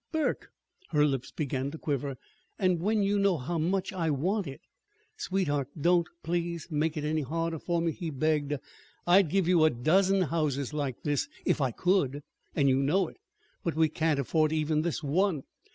"Burke!" Her lips began to quiver. "And when you know how much I want it!" "Sweetheart, don't, please, make it any harder for me," he begged. "I'd give you a dozen houses like this if I could and you know it. But we can't afford even this one.